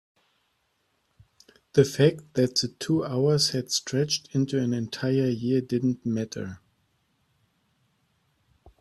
the fact that the two hours had stretched into an entire year didn't matter.